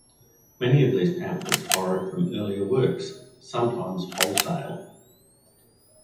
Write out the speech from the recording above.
Many of these pamphlets borrowed from earlier works, sometimes wholesale.